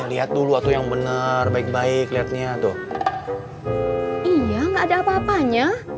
iya gak ada apa apanya